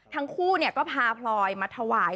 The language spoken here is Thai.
ทั้งคู่ก็พาพลอยมาถวาย